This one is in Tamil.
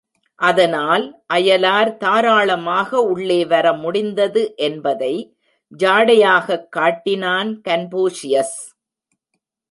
அதனால் அயலார் தாராளமாக உள்ளே வர முடிந்தது என்பதை ஜாடையாகக் காட்டினான் கன்பூஷியஸ்.